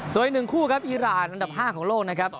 ส่วนอีก๑คู่ครับอีรานอันดับ๕ของโลกนะครับ